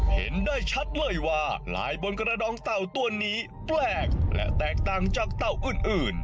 เห็นได้ชัดเลยว่าลายบนกระดองเต่าตัวนี้แปลกและแตกต่างจากเต่าอื่น